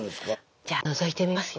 じゃあのぞいてみますよ。